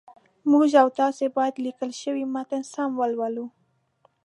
موږ او تاسي باید لیکل شوی متن سم ولولو